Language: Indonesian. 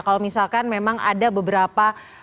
kalau misalkan memang ada beberapa